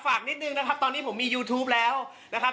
ฝากนิดนึงนะครับตอนนี้ผมมียูทูปแล้วนะครับ